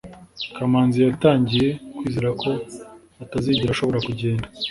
kamanzi yatangiye kwizera ko atazigera ashobora kugenda